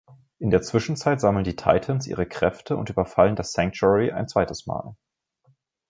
In der Zwischenzeit sammeln die Titans ihre Kräfte und überfallen das Sanctuary ein zweites Mal.